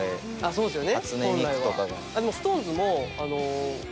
そうですね。